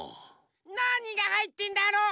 なにがはいってんだろ。